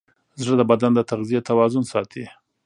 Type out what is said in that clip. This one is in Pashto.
زړه د بدن د تغذیې توازن ساتي.